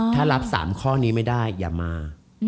ถ้ารับ๓ข้อนี้ไม่ได้อย่ามา